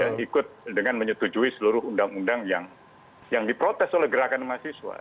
karena itu mengikuti dengan menyetujui seluruh undang undang yang diprotes oleh gerakan mahasiswa